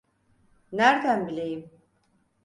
Nerden bileyim?